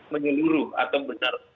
menyeluruh atau besar